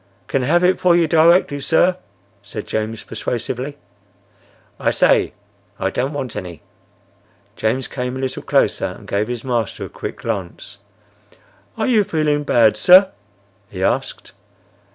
"Can have it for you directly, sir," said James, persuasively. "I say I don't want any." James came a little closer and gave his master a quick glance. "Are you feeling bad, sir?" he asked.